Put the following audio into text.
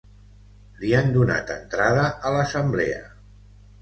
Li han donat entrada a l'assemblea.